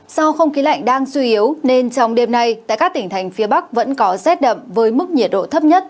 do không khí lạnh đang suy yếu nên trong đêm nay tại các tỉnh thành phía bắc vẫn có rét đậm với mức nhiệt độ thấp nhất